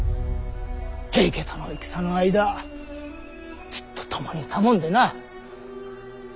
平家との戦の間ずっと共にいたもんでな。